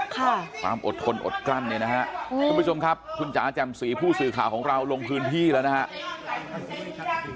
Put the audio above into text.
ความอดทนอดกลั้นเนี่ยนะฮะทุกผู้ชมครับคุณจ๋าแจ่มสีผู้สื่อข่าวของเราลงพื้นที่แล้วนะครับ